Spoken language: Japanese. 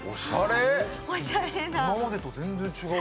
今までと全然違う。